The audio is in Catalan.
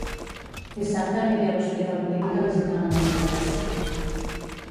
Dissabte aniré a l'hospital clínic a visitar a una amiga